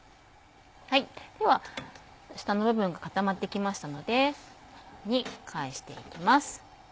では下の部分が固まってきましたのでこのように返していきます。